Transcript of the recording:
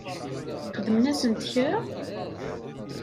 Xedmen-asent kra?